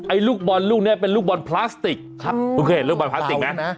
ลูกบอลลูกนี้เป็นลูกบอลพลาสติกครับคุณเคยเห็นลูกบอลพลาสติกไหม